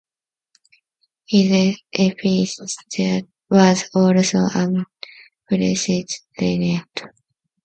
His epithet was also unprecedented.